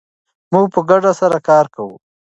موږ په ګډه سره کار کوو.